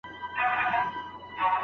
زما د سيمي د ميوند شاعري !